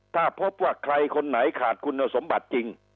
ถ้าพบว่าใครคนไหนขาดคุณสมบัติจริง